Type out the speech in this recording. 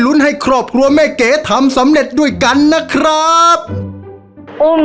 ให้ครอบครัวแม่เก๋ทำสำเร็จด้วยกันนะครับโอ้